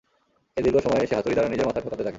এই দীর্ঘ সময়ে সে হাতুড়ি দ্বারা নিজের মাথা ঠুকাতে থাকে।